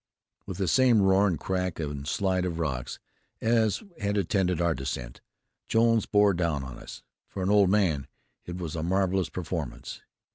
With the same roar and crack and slide of rocks as had attended our descent, Jones bore down on us. For an old man it was a marvelous performance.